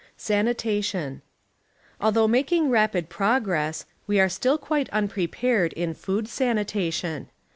Sanitation Although making rapid progress, we are still quite unpre pared in food sanitation.